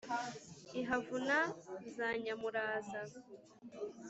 Ihavuna za nyamuraza*.